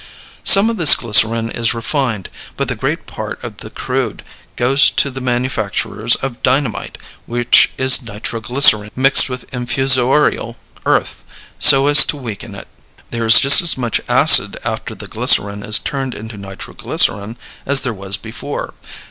Some of this glycerin is refined, but the great part of the crude goes to the manufacturers of dynamite, which is nitroglycerin mixed with infusorial earth, so as to weaken it. There is just as much acid after the glycerin is turned into nitroglycerin as there was before.